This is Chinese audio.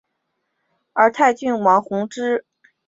而泰郡王弘春一支则住在西直门内扒儿胡同。